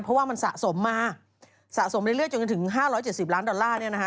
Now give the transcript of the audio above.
เพราะว่ามันสะสมมาสะสมเรื่อยจนจนถึง๕๗๐ล้านดอลลาร์